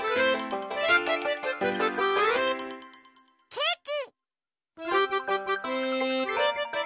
ケーキ！